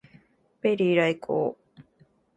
ペリー来航